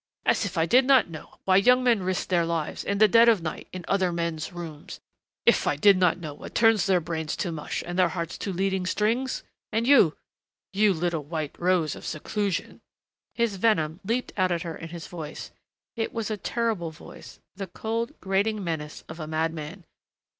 As if I did not know why young men risked their lives, in the dead of night, in other men's rooms! If I did not know what turns their brains to mush and their hearts to leading strings! And you you you little white rose of seclusion !" His venom leaped out at her in his voice. It was a terrible voice, the cold, grating menace of a madman.